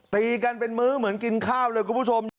ตีกันเป็นมื้อเหมือนกินข้าวเลยคุณผู้ชม